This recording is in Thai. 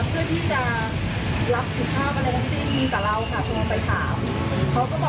เพื่อให้รับถูกชอบกับทั้งสินทุนกับเราตรงนั้นไปขับ